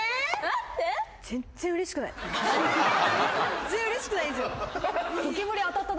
全然うれしくないんすよ。